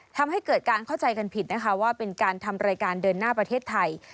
ทำให้เกิดการเข้าใจกันผิดนะคะว่าเป็นการทำรายการเดินหน้าประเทศไทย